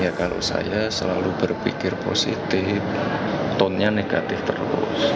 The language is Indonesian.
ya kalau saya selalu berpikir positif tone nya negatif terus